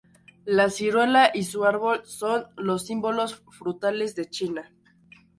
La ciruela y su árbol son los símbolos frutales de China.